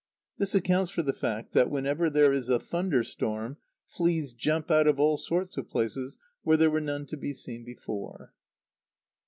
This accounts for the fact that, whenever there is a thunder storm, fleas jump out of all sorts of places where there were none to be seen before.